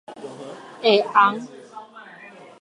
愛紅